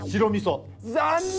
残念。